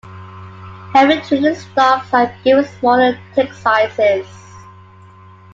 Heavily-traded stocks are given smaller tick sizes.